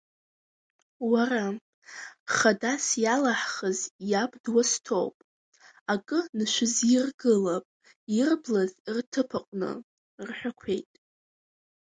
Уара, хадас иалаҳхыз иаб дуасҭоуп, акы нашәызиргылап ирблыз рҭыԥаҟны, рҳәақәеит.